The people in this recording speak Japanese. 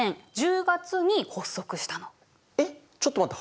えっちょっと待って！